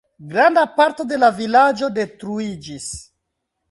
Granda parto de la vilaĝo detruiĝis.